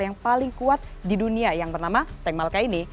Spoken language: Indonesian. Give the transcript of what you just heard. yang paling kuat di dunia yang bernama tank malka ini